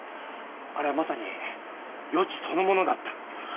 あれはまさに予知そのものだった。